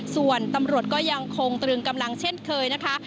ส่วนตำรวจก็ยังคงตรึงกำลังเช่นเคยนะคะ